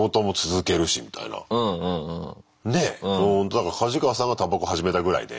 だからカジカワさんがタバコ始めたぐらいで。